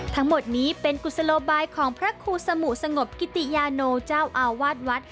ทั้งหมดนี้เป็นกุศโลบายของพระครูสมุสงบกิติยาโนเจ้าอาวาสวัด